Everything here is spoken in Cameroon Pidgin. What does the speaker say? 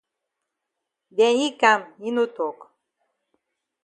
Den yi kam yi no tok.